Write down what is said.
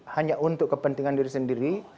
hanya untuk kepentingan diri sendiri